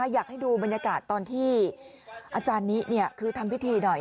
อยากให้ดูบรรยากาศตอนที่อาจารย์นี้คือทำพิธีหน่อย